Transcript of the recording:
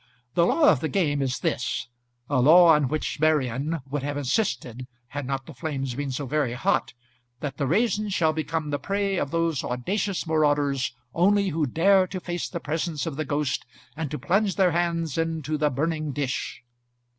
The law of the game is this a law on which Marian would have insisted had not the flames been so very hot that the raisins shall become the prey of those audacious marauders only who dare to face the presence of the ghost, and to plunge their hands into the burning dish.